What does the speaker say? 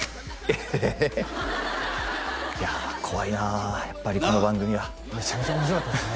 ええっいや怖いなやっぱりこの番組はメチャメチャ面白かったですね